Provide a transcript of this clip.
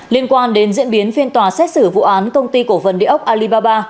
liên quan đến diễn biến phiên tòa xét xử vụ án công ty cổ phần địa ốc alibaba